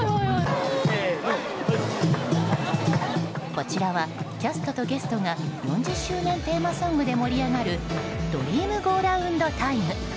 こちらは、キャストとゲストが４０周年テーマソングで盛り上がるドリームゴーラウンドタイム。